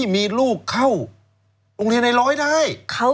มีลูกเข้าโรงเรียนในร้อยได้